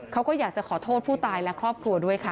เขาก็อยากจะขอโทษผู้ตายและครอบครัวด้วยค่ะ